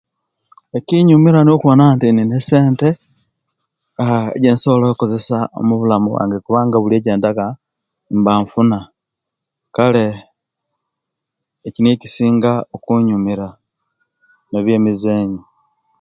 Ekyinyumira okuwona nti inina esente ejensobola okozesa mubulamu bwange kubanga ekyenttaka mba nfuna kale ekyo nikyo ekisinga okunyumira nebiye mizanyo